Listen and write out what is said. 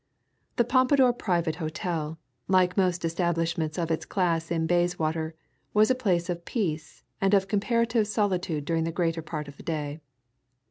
The Pompadour Private Hotel, like most establishments of its class in Bayswater, was a place of peace and of comparative solitude during the greater part of the day.